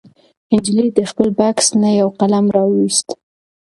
نجلۍ د خپل بکس نه یو قلم راوویست.